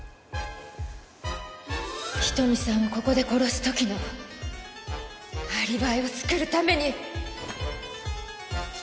瞳さんをここで殺す時のアリバイを作るために。